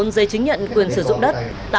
một mươi giấy chứng nhận quyền sử dụng đất